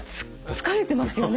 疲れてますよね